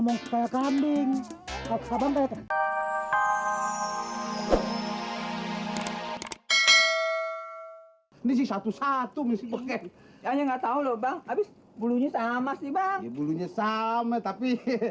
ini satu satu misi pakai ya nggak tahu lo bang habis bulunya sama sih bang bulunya sama tapi